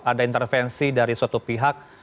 ada intervensi dari suatu pihak